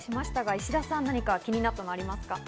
石田さん、気になったものありますか？